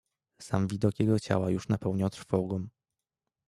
"Sam widok jego ciała już napełniał trwogą."